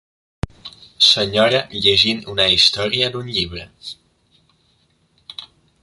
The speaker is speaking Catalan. Senyora llegint una història d'un llibre.